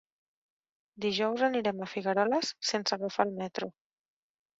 Dijous anirem a Figueroles sense agafar el metro.